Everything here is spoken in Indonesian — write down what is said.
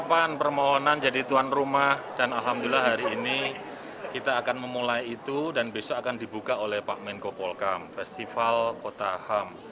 persiapan permohonan jadi tuan rumah dan alhamdulillah hari ini kita akan memulai itu dan besok akan dibuka oleh pak menko polkam festival kota ham